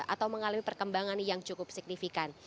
atau mengalami perkembangan yang cukup signifikan